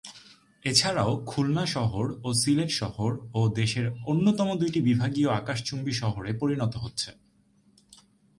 এছাড়াও খুলনা শহর ও সিলেট শহর ও দেশের অন্যতম দুইটি বিভাগীয় আকাশচুম্বী শহরে পরিণত হচ্ছে।